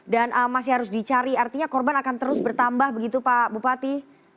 masih harus dicari artinya korban akan terus bertambah begitu pak bupati